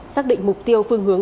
xác định mục tiêu phương hướng